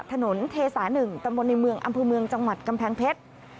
ถนนเทสาหนึ่งตะบนในเมืองอำภูมิเมืองจังหวัดกำแพงเพชร